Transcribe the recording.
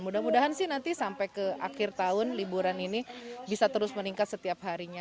mudah mudahan sih nanti sampai ke akhir tahun liburan ini bisa terus meningkat setiap harinya